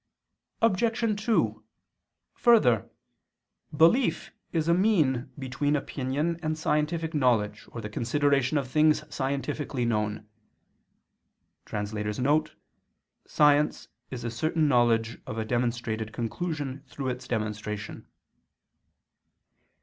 Obj. 2: Further, belief is a mean between opinion and scientific knowledge or the consideration of things scientifically known [*Science is a certain knowledge of a demonstrated conclusion through its demonstration.